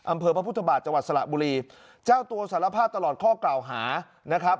อำเภอพระพุทธบาทจังหวัดสระบุรีเจ้าตัวสารภาพตลอดข้อกล่าวหานะครับ